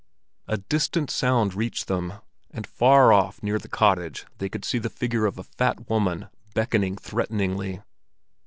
A distant sound reached them, and far off near the cottage they could see the figure of a fat woman, beckoning threateningly.